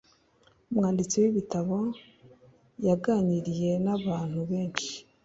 Umwanditsi w'ibitabo yaganiriye n'abantu benshi.